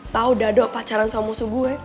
tau dadah pacaran sama musuh gue